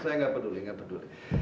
saya gak peduli gak peduli